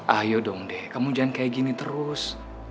ayo dong deh kamu jangan kayak gini terus